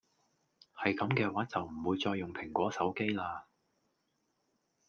係咁既話就唔會再用蘋果手機啦